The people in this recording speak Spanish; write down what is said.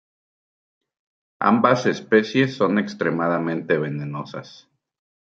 Ambas especies son extremadamente venenosas.